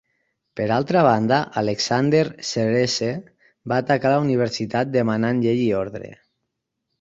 Per altra banda, Alexander Sceresse va atacar la Universitat, demanant llei i ordre.